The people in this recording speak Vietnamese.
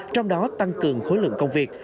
trong đó tăng cường khối lượng công việc